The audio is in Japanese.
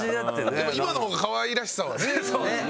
でも今の方がかわいらしさはねありますね。